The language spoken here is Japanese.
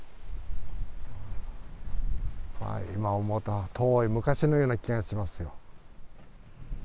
今思うと、遠い昔のような気がしますよ。